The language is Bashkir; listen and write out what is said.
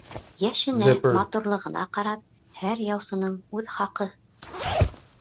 Йәшенә, матурлығына ҡарап, һәр яусының үҙ хаҡы.